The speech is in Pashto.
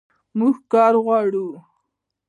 موږ کار غواړو